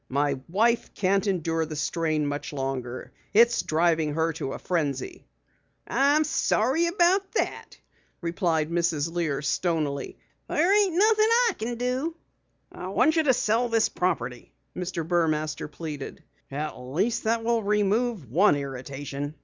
My wife can't endure the strain much longer. It's driving her to a frenzy." "I'm sorry about that," replied Mrs. Lear stonily. "There ain't nothin' I can do." "I want you to sell this property," Mr. Burmaster pleaded. "At least that will remove one irritation.